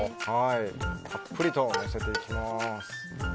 たっぷりとのせていきます。